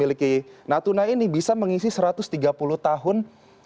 dimiliki natuna ini bisa mengisi satu ratus tiga puluh tahun